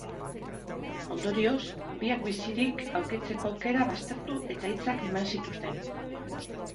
Ondorioz, biak bizirik aurkitzeko aukera baztertu eta hiltzat eman zituzten.